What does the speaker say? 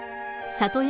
里山。